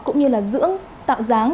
cũng như là dưỡng tạo dáng